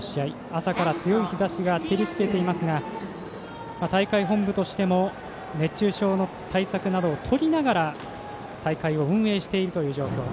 朝から強い日ざしが照りつけていますが大会本部としても熱中症の対策などをとりながら大会を運営しているという状況。